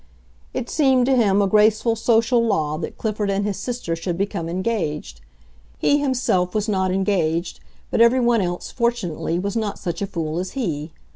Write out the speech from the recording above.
It seemed to him a graceful social law that Clifford and his sister should become engaged; he himself was not engaged, but everyone else, fortunately, was not such a fool as he.